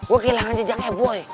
gue kehilangan jejaknya boy